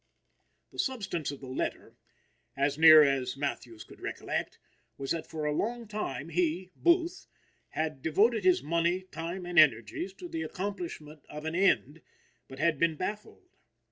The substance of the letter, as near as Matthews could recollect, was that for a long time he (Booth) had devoted his money, time and energies to the accomplishment of an end, but had been baffled.